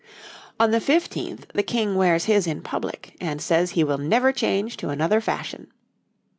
On the fifteenth the King wears his in public, and says he will never change to another fashion.